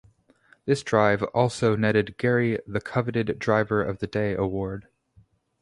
This drive also netted Gerry the coveted driver of the day award.